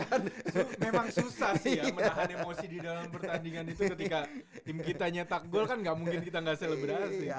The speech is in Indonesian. memang susah sih ya menahan emosi di dalam pertandingan itu ketika tim kita nyetak gol kan nggak mungkin kita nggak selebrasi